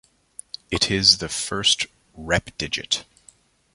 It is the first repdigit.